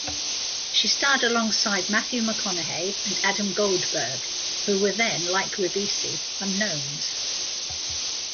She starred alongside Matthew McConaughey and Adam Goldberg, who were then, like Ribisi, unknowns.